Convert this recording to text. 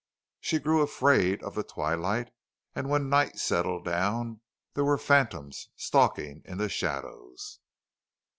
She grew afraid of the twilight, and when night settled down there were phantoms stalking in the shadows.